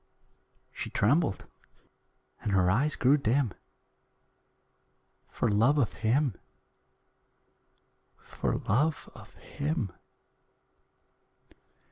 She trembled, and her eyes grew dim: "For love of Him, for love of Him."